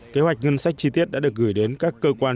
kế hoạch ngân sách chi tiết đã được gửi đến các cơ quan